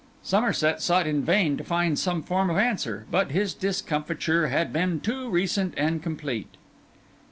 Somerset sought in vain to find some form of answer, but his discomfiture had been too recent and complete.